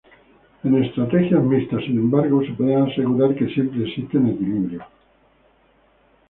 En estrategias mixtas sin embargo se puede asegurar que siempre existen equilibrios.